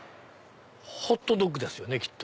ホットドッグですよねきっと。